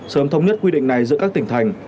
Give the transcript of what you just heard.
sớm thống nhất quy định này giữa các tỉnh thành